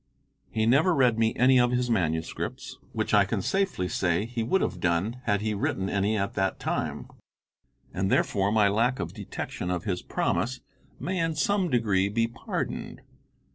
He never read me any of his manuscripts, which I can safely say he would have done had he written any at that time, and therefore my lack of detection of his promise may in some degree be pardoned.